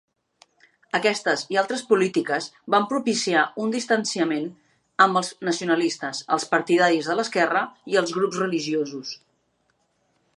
Aquestes i altres polítiques van propiciar un distanciament amb els nacionalistes, els partidaris de l'esquerra i els grups religiosos.